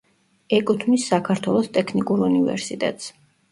ეკუთვნის საქართველოს ტექნიკურ უნივერსიტეტს.